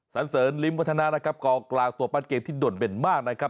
สันเสริมลิมวัฒนะนะครับกรากตัวปั้นเกมที่ด่วนเป็นมากนะครับ